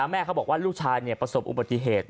แม่เขาบอกว่าลูกชายประสบอุบัติเหตุ